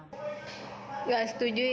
saya tidak setuju